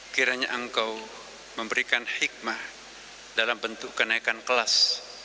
kiranya engkau memberikan hikmah dalam bentuk kenaikan kelas